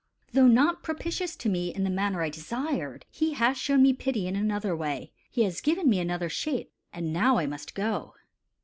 Though not propitious to me in the manner I desired, he has shown me pity in another way he has given me another shape; and now I must go."